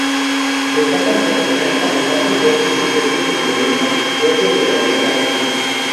Destacan por tener abundantes dosis de sexo y violencia propias de la novela negra.